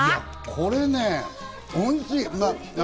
これね、おいしい！